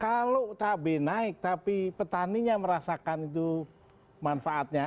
kalau cabai naik tapi petaninya merasakan itu manfaatnya